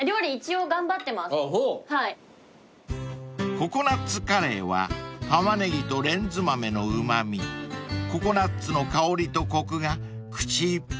［ココナッツカレーはタマネギとレンズ豆のうま味ココナツの香りとコクが口いっぱいに広がる一品］